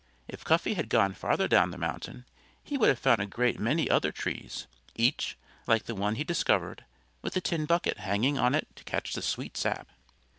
If Cuffy had gone further down the mountainside he would have found a great many other trees, each like the one he discovered with a tin bucket hanging on it to catch the sweet sap.